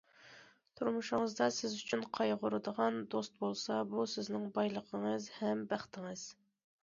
تۇرمۇشىڭىزدا سىز ئۈچۈن قايغۇرىدىغان دوست بولسا، بۇ سىزنىڭ بايلىقىڭىز ھەم بەختىڭىز.